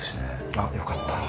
あっよかった。